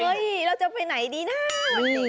เฮ้ยเราจะไปไหนเนี่ย